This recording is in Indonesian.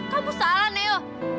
kamu salah neo